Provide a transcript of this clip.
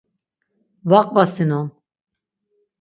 Va qvasinon.